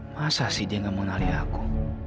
masa sih dia gak mengenali aku